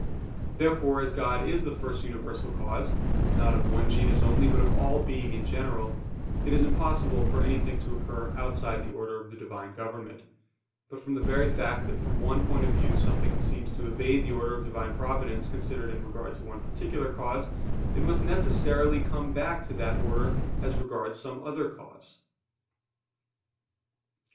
Therefore as God is the first universal cause, not of one genus only, but of all being in general, it is impossible for anything to occur outside the order of the Divine government; but from the very fact that from one point of view something seems to evade the order of Divine providence considered in regard to one particular cause, it must necessarily come back to that order as regards some other cause.